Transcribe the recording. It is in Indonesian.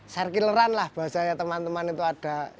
serkilleran lah bahasanya teman teman itu ada